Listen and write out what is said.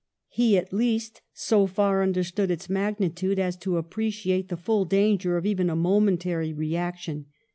He, at least, so far understood its magnitude as to appreciate the full danger of even a momentary reaction.